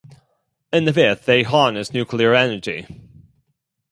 In the fifth, they harness nuclear energy.